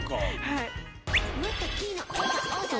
はい。